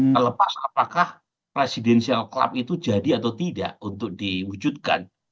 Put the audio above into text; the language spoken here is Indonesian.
terlepas apakah presidensial club itu jadi atau tidak untuk diwujudkan